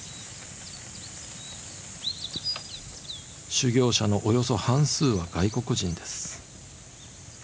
修行者のおよそ半数は外国人です。